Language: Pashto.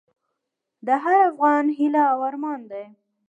د هر افغان هیله او ارمان دی؛